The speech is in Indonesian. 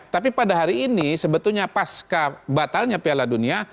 tapi pada hari ini sebetulnya pasca batalnya piala dunia